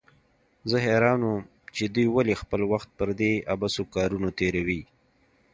زه حيران وم چې دوى ولې خپل وخت پر دې عبثو کارونو تېروي.